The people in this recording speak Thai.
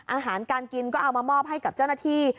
อาหารการกินก็เอามามอบให้กับเจ้าหน้าที่